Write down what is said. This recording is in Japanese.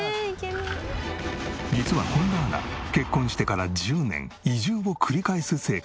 実は本田アナ結婚してから１０年移住を繰り返す生活。